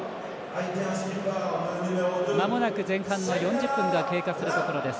まもなく前半の４０分が経過するところです。